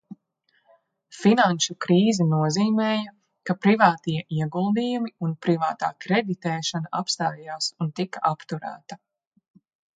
Finanšu krīze nozīmēja, ka privātie ieguldījumi un privātā kreditēšana apstājās un tika apturēta.